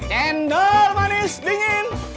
cendol manis dingin